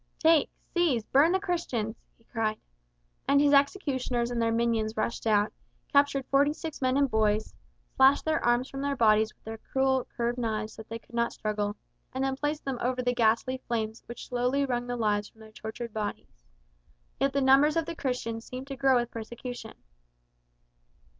"Take, seize, burn the Christians," he cried. And his executioners and their minions rushed out, captured forty six men and boys, slashed their arms from their bodies with their cruel curved knives so that they could not struggle, and then placed them over the ghastly flames which slowly wrung the lives from their tortured bodies. Yet the numbers of the Christians seemed to grow with persecution.